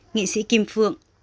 nghị sĩ kim phượng